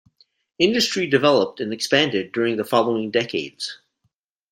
Industry developed and expanded during the following decades.